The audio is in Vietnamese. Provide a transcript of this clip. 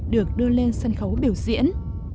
được đưa lên sân khấu biểu diễn